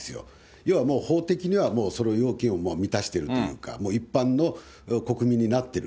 要は法的にはその要件を満たしてるというか、一般の国民になってる。